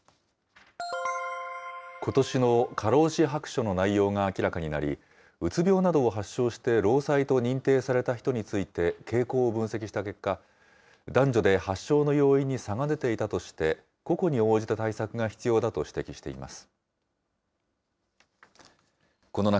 ことしの過労死白書の内容が明らかになり、うつ病などを発症して労災と認定された人について傾向を分析した結果、男女で発症の要因に差が出ていたとして、個々に応じた対策が必要だと指摘しています。